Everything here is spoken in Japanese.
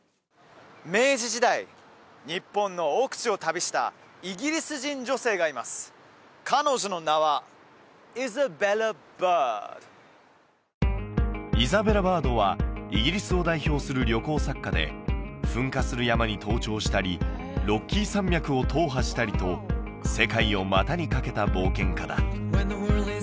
明治時代日本の奥地を旅したイギリス人女性がいます彼女の名はイザベラ・バードはイギリスを代表する旅行作家で噴火する山に登頂したりロッキー山脈を踏破したりと世界を股に掛けた冒険家だ